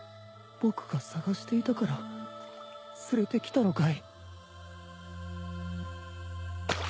僕が探していたから連れてきたのかい！？